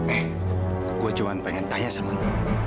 eh gue cuma pengen tanya sama